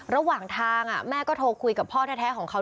ระหว่างทางแม่ก็โทรคุยกับพ่อแท้ของเขา